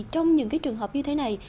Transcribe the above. trong những cái trường hợp như thế này